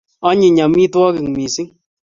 anyiny amitwagik missing